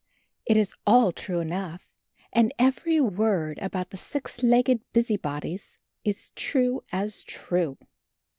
It is all true enough, and every word about the six legged busybodies is true as true.